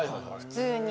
普通に。